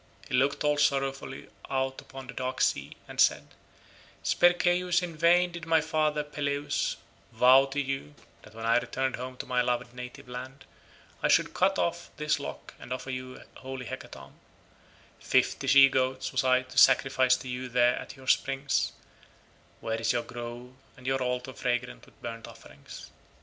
He looked all sorrowfully out upon the dark sea, and said, "Spercheius, in vain did my father Peleus vow to you that when I returned home to my loved native land I should cut off this lock and offer you a holy hecatomb; fifty she goats was I to sacrifice to you there at your springs, where is your grove and your altar fragrant with burnt offerings.